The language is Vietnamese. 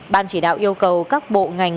ban chỉ đạo yêu cầu các bộ ngành